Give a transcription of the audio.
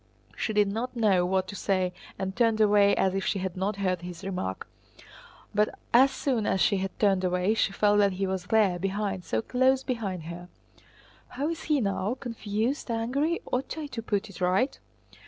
She did not know what to say and turned away as if she had not heard his remark. But as soon as she had turned away she felt that he was there, behind, so close behind her. "How is he now? Confused? Angry? Ought I to put it right?"